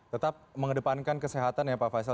tetap mengedepankan kesehatan ya pak faisal